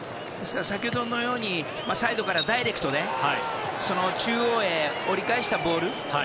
先ほどのようにサイドからダイレクトで中央へ折り返したボール。